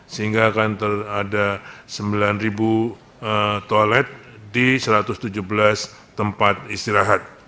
sehingga akan terada sembilan toilet di satu ratus tujuh belas tempat istirahat